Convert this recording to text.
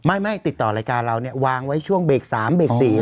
ไม่ติดต่อรายการเราเนี่ยวางไว้ช่วงเบรก๓เบรก๔